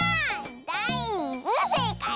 「だいずせいかい」！